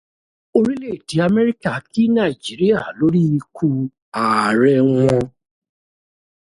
Orílẹ̀-èdè Amẹríkà kí Nàíjíríà lórí ikú Ààrẹ wọn.